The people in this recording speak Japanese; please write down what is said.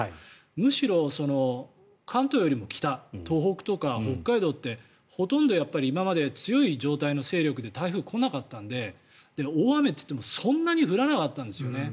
むしろ、関東よりも北東北とか北海道ってほとんど今まで強い状態の勢力で台風、来なかったので大雨って言っても、そんなに降らなかったんですよね。